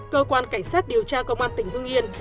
cơ quan cảnh sát điều tra công an tỉnh hưng yên